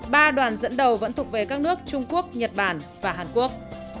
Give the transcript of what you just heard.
ba đoàn dẫn đầu vẫn thuộc về các nước trung quốc nhật bản và hàn quốc